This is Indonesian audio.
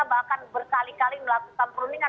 bahkan berkali kali melakukan perundingan